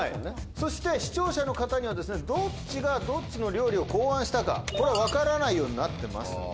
そして視聴者の方にはどっちがどっちの料理を考案したか分からないようになってます。